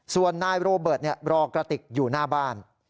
ส่วนนายโรเบิร์ตรอกระติกอยู่หน้าบ้าน